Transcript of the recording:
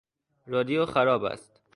رادیو خراب است.